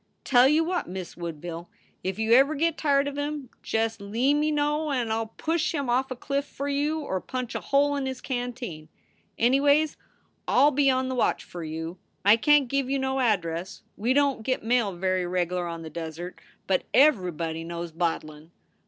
Tell you what, Miz Woodville, if you ever git tired of him, just lea me know and I ll push him off a clift for you or punch a hole in his canteen. Anyways, I ll be on the watch for you. I can t give you no address. We don t git mail very reg lar on the desert, but everybody knows Bodlin.